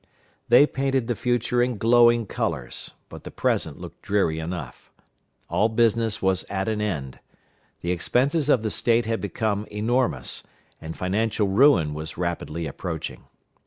They painted the future in glowing colors, but the present looked dreary enough. All business was at an end. The expenses of the State had become enormous, and financial ruin was rapidly approaching.